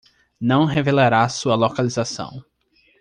Não revelará sua localização